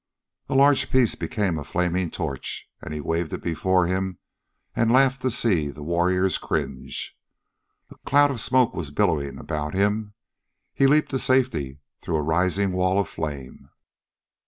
A large piece became a flaming torch, and he waved it before him and laughed to see the warriors cringe. A cloud of smoke was billowing about him he leaped to safety through a rising wall of flame.